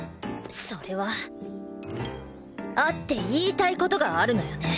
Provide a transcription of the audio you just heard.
それは会って言いたい事があるのよね。